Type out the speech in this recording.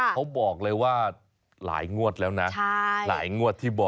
เขาบอกเลยว่าหลายงวดแล้วหลายงวด